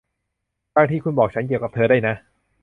บางทีคุณบอกฉันเกี่ยวกับเธอได้นะ